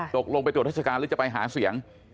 ตกลงไปตรวจราชการหรือจะไปหาเสียง